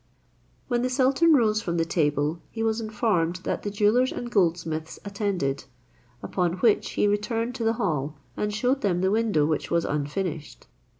When the sultan rose from table, he was informed that the jewellers and goldsmiths attended; upon which he returned to the hall, and showed them the window which was unfinished.